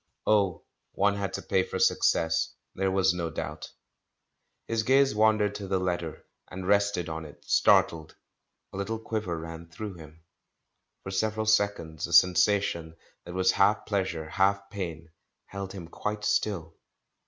Oh, one had to pay for success, there was no doubt. His gaze wandered to the letter, and rested on it, startled; a little quiver ran through him. For several seconds a sensation that was half pleasure, half pain, held him quite still.